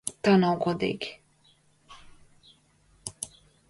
Tā nav godīgi!